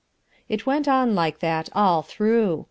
It went on like that all through.